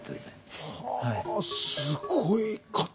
はあすごい方々。